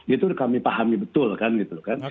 itu kami pahami betul kan gitu kan